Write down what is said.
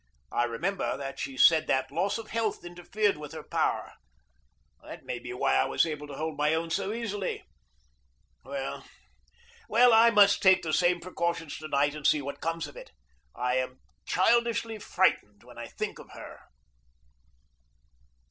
I remember that she said that loss of health interfered with her power. That may be why I was able to hold my own so easily. Well, well, I must take the same precautions to night and see what comes of it. I am childishly frightened when I think of her.